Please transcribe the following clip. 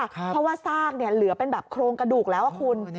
เพราะว่าซากเหลือเป็นแบบโครงกระดูกแล้วคุณ